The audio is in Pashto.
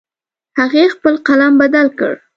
هغې خپل قلم بدل کړ